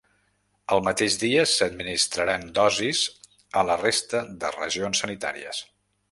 El mateix dia s’administraran dosis a la resta de regions sanitàries.